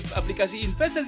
mama aku gak kuat